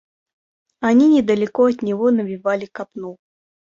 Они недалеко от него навивали копну.